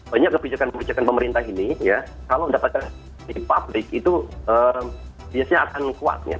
banyak kebijakan kebijakan pemerintah ini ya kalau mendapatkan di publik itu biasanya akan kuat ya